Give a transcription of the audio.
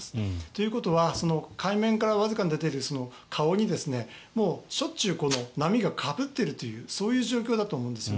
ということは海面からわずかに出ている顔にしょっちゅう波がかぶっているというそういう状況だと思うんです。